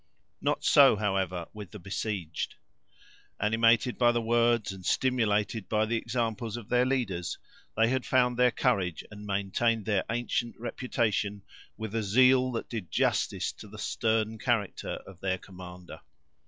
Not so, however, with the besieged. Animated by the words, and stimulated by the examples of their leaders, they had found their courage, and maintained their ancient reputation, with a zeal that did justice to the stern character of their commander.